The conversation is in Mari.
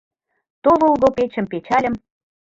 Товылго печым печальым.